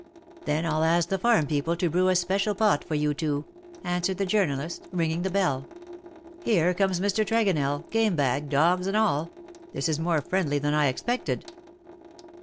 " Then I'll ask the farm people to brew a special pot for you two/' answered the journalist, ringing the bell. ^' Here comes Mr. Tregonell, game bag, dogs, and all. This is more friendly than I expected."